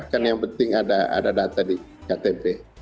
karena yang penting ada data di ktp